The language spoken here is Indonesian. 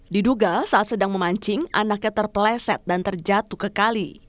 diduga saat sedang memancing anaknya terpeleset dan terjatuh ke kali